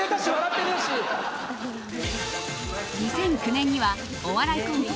２００９年にはお笑いコンビ